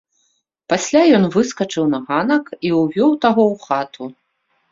Пасля ён выскачыў на ганак і ўвёў таго ў хату.